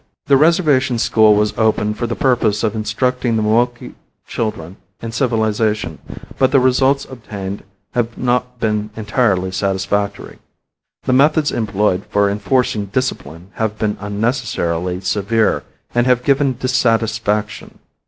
The reservation school was opened for the purpose of instructing the Moqui children in civilization, but the results obtained have not been entirely satisfactory. The methods employed for enforcing discipline have been unnecessarily severe and have given dissatisfaction.